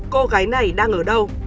cô gái này đang ở đâu